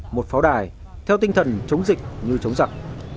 một pháo đài theo tinh thần chống dịch như chống giặc